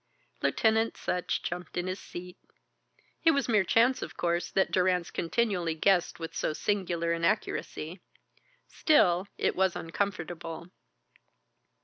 Lieutenant Sutch jumped in his seat. It was mere chance, of course, that Durrance continually guessed with so singular an accuracy; still it was uncomfortable.